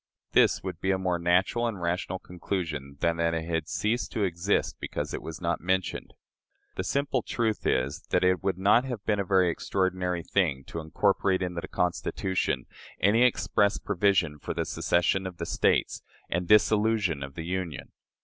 This would be a more natural and rational conclusion than that it has ceased to exist because it is not mentioned. The simple truth is, that it would have been a very extraordinary thing to incorporate into the Constitution any express provision for the secession of the States and dissolution of the Union.